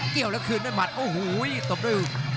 เกี่ยวแล้วคืนด้วยหมัดโอ้โหตบด้วย